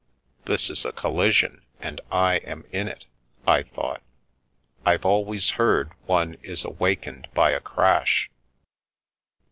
"This is a collision, and I am in it!" I thought "I've always heard one is awakened by a crash."